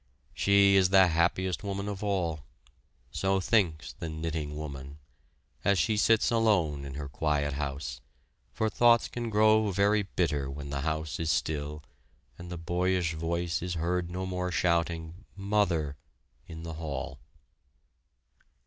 She is the happiest woman of all so thinks the knitting woman, as she sits alone in her quiet house; for thoughts can grow very bitter when the house is still and the boyish voice is heard no more shouting, "Mother" in the hall.